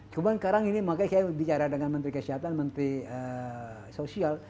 cuma sekarang ini makanya saya bicara dengan menteri kesehatan menteri sosial